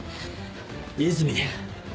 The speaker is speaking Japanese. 和泉。